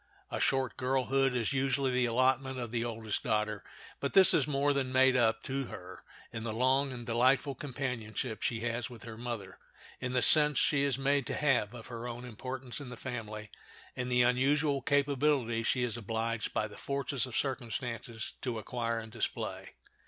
A short girlhood is usually the allotment of the oldest daughter; but this is more than made up to her in the long and delightful companionship she has with her mother, in the sense she is made to have of her own importance in the family, and the unusual capability she is obliged by the force of circumstances to acquire and display.